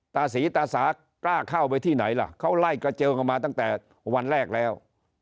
ตาศรีตาสากล้าเข้าไปที่ไหนล่ะเขาไล่กระเจิงกันมาตั้งแต่วันแรกแล้ว